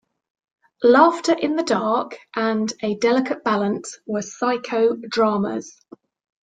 "Laughter in the Dark" and "A Delicate Balance" were psycho-dramas.